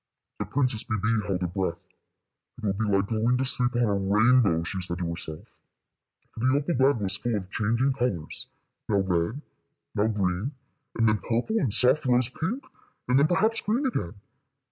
The Princess Bébè held her breath. "It will be like going to sleep on a rainbow," she said to herself, for the opal bed was full of changing colors, now red, now green, and then purple and soft rose pink, and then, perhaps, green again.